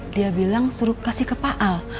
dia bilang suruh kasih ke pak al